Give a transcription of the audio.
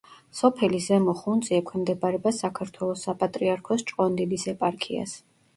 სოფელი ზემო ხუნწი ექვემდებარება საქართველოს საპატრიარქოს ჭყონდიდის ეპარქიას.